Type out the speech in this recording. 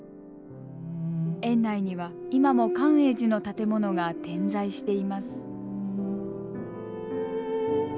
園内には今も寛永寺の建物が点在しています。